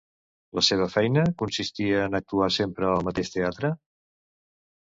La seva feina consistia en actuar sempre al mateix teatre?